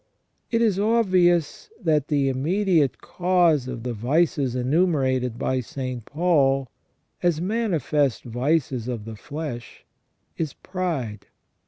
It is obvious that the immediate cause of the vices enumerated by St. Paul, as manifest vices of the flesh, is pride.